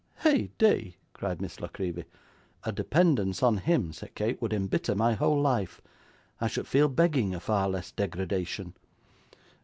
'Heyday!' cried Miss La Creevy. 'A dependence upon him,' said Kate, 'would embitter my whole life. I should feel begging a far less degradation.